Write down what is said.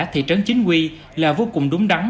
thị trấn chính quy là vô cùng đúng đắn